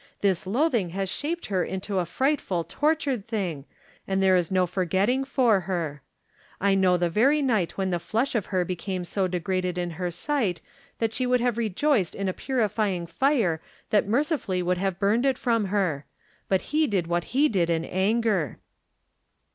This loathing has shaped her into a frightful, tortured thing, and there is no forgetting for her. I know the very night when the flesh of her became so degraded in her sight that she would have rejoiced in a purifying fire that merci fully could have burned it from her. But he did what he did in anger."